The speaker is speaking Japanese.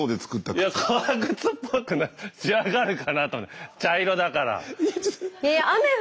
いや革靴っぽくなる艶があるかなと思って茶色だから。